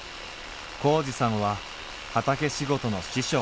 紘二さんは畑仕事の師匠。